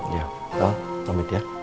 ya selamat ya